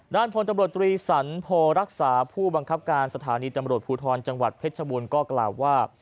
พลตำรวจตรีสันโพรักษาผู้บังคับการสถานีตำรวจภูทรจังหวัดเพชรชบูรณ์ก็กล่าวว่า